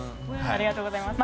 ありがとうございます。